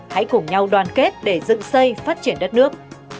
hãy cùng nhau đoàn kết để dựng xây phát triển đất nước